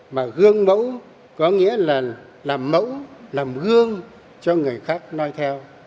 mà gương mẫu có nghĩa là làm mẫu làm gương cho người khác nói theo